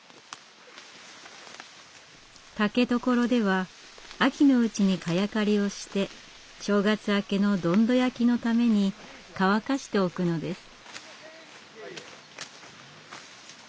竹所では秋のうちに萱刈りをして正月明けのどんど焼きのために乾かしておくのです。